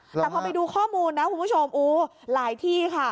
แต่พอไปดูข้อมูลนะคุณผู้ชมโอ้หลายที่ค่ะ